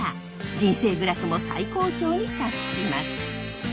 人生グラフも最高潮に達します。